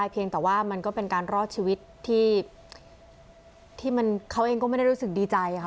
เพียงแต่ว่ามันก็เป็นการรอดชีวิตที่เขาเองก็ไม่ได้รู้สึกดีใจค่ะ